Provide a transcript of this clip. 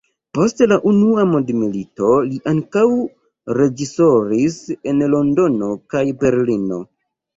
Post la unua mondmilito li ankaŭ reĝisoris en Londono kaj Berlino.